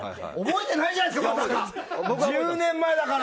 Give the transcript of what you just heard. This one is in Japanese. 覚えてないじゃないですか！